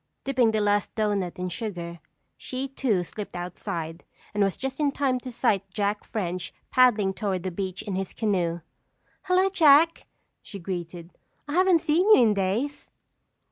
Dipping the last doughnut in sugar, she too slipped outside and was just in time to sight Jack French paddling toward the beach in his canoe. "Hello, Jack," she greeted, "I haven't seen you in days."